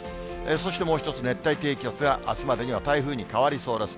そしてもう１つ、熱帯低気圧があすまでには台風に変わりそうです。